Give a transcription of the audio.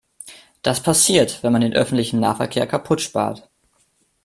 Das passiert, wenn man den öffentlichen Nahverkehr kaputtspart.